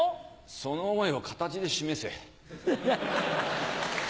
その思いを形で示せ。